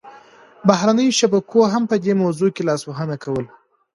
بهرنیو شبکو هم په دې موضوع کې لاسوهنه کوله